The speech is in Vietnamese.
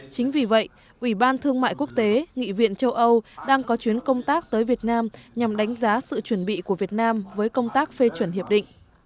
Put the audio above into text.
chính vì vậy ủy ban thương mại quốc tế nghị viện châu âu đang có chuyến công tác tới việt nam nhằm đánh giá sự chuẩn bị của việt nam với công tác phê chuẩn hiệp định